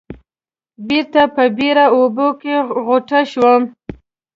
بېرته په بېړه اوبو کې غوټه شوم.